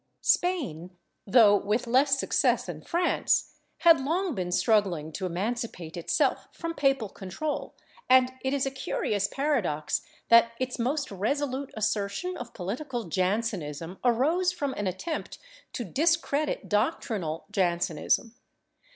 ^ Spain, though with less success than France, had long been struggling to emancipate itself from papal control, and it is a curious paradox that its most resolute assertion of political Jansenism arose from an attempt to discredit doctrinal Jansenism.